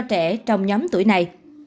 trẻ trong nhóm tuổi này